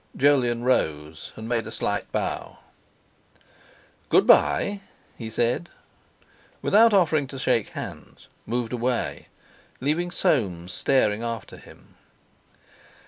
Jolyon rose and made him a slight bow. "Good bye," he said, and, without offering to shake hands, moved away, leaving Soames staring after him.